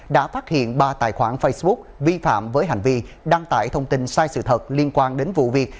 đã phát hiện ba tài khoản facebook vi phạm với hành vi đăng tải thông tin sai sự thật liên quan đến vụ việc